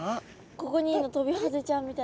ここにいるのトビハゼちゃんみたい。